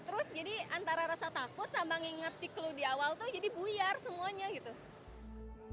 terus jadi antara rasa takut sama nginget si clue di awal tuh jadi buyar semuanya gitu